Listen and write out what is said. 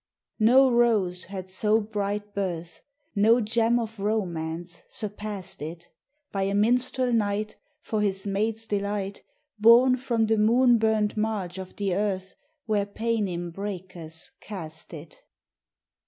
No rose had so bright birth; No gem of romance surpassed it, By a minstrel knight, for his maid's delight, Borne from the moon burnt marge of the earth, Where Paynim breakers cast it.